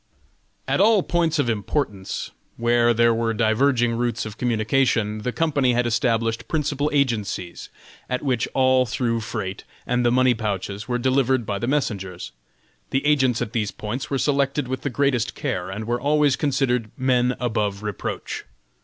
At all points of importance, where there were diverging routes of communication, the company had established principal agencies, at which all through freight and the money pouches were delivered by the messengers. The agents at these points were selected with the greatest care, and were always considered men above reproach.